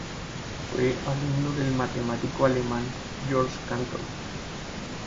Fue alumno del matemático alemán Georg Cantor.